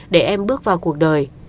để em bước vào cuộc đời